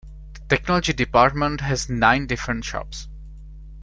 The technology department has nine different shops.